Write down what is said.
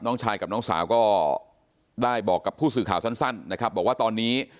น้องชายกับน้องสาวก็ได้บอกกับผู้สื่อข่าวสั้นนะครับบอกว่าตอนนี้